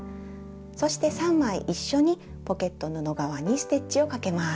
そして３枚一緒にポケット布側にステッチをかけます。